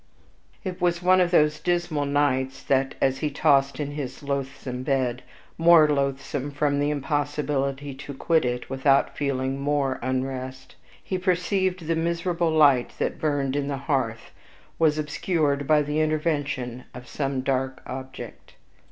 ..... It was one of those dismal nights, that, as he tossed on his loathsome bed, more loathsome from the impossibility to quit it without feeling more "unrest," he perceived the miserable light that burned in the hearth was obscured by the intervention of some dark object.